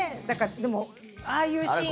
でも、ああいうシーンは。